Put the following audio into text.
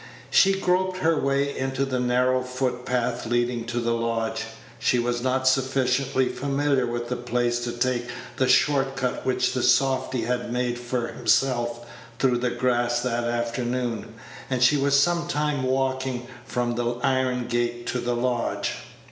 She groped her way into the narrow footpath leading to the lodge. She was not sufficiently familiar with the place to take the short cut which the softy had made for himself through the grass that afternoon, and she was some time walking from the iron gate to the lodge.